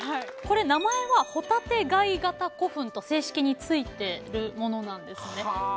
これ名前は帆立貝形古墳と正式に付いてるものなんですね。